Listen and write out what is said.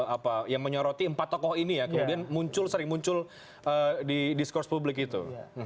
apa yang menyoroti empat tokoh ini ya kemudian muncul sering muncul di diskurs publik itu